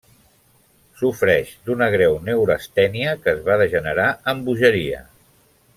Sofreix d'una greu neurastènia que es va degenerar en bogeria.